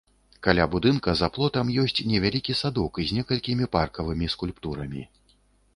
Каля будынка за плотам ёсць невялікі садок з некалькімі паркавымі скульптурамі.